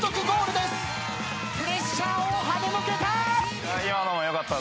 プレッシャーをはねのけた。